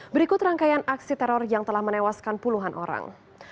berikut rangkaian aksi teror yang telah menewaskan puluhan orang